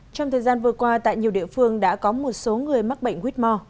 trong thời gian vừa qua tại nhiều địa phương đã có một số người mắc bệnh whmore